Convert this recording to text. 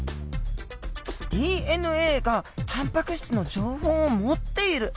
ＤＮＡがタンパク質の情報を持っている。